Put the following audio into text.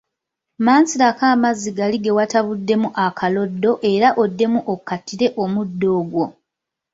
Mansirako amazzi gali ge watabuddemu akaloddo era oddemu okkatire omuddo ogwo.